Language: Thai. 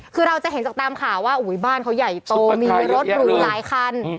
คือเราจะเห็นจากตามข่าวว่าบ้านเขาใหญ่โตมีรถหรูหลายคัน